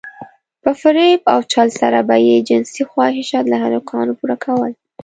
په فريب او چل سره به يې جنسي خواهشات له هلکانو پوره کول.